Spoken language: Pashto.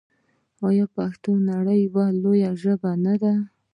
آیا پښتو به د نړۍ یوه لویه ژبه نه وي؟